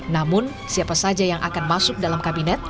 namun siapa saja yang akan masuk dalam kabinet